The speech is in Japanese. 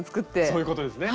そういうことですね。